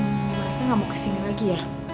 mereka nggak mau kesini lagi ya